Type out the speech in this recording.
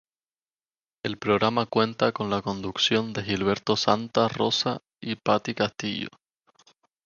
El programa cuenta con la conducción de Gilberto Santa Rosa y Patty Castillo.